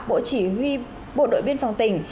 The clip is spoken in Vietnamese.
bộ chỉ huy bộ đội biên phòng tỉnh